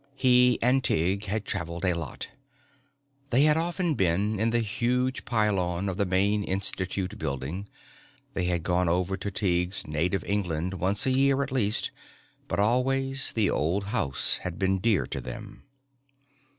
He and Tighe had traveled a lot. They had often been in the huge pylon of the main Institute building. They had gone over to Tighe's native England once a year at least. But always the old house had been dear to them.